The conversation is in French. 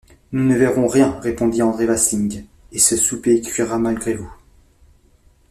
Nous ne verrons rien, répondit André Vasling, et ce souper cuira malgré vous!